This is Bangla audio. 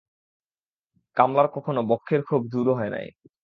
কমলার তখনো বক্ষের ক্ষোভ দূর হয় নাই।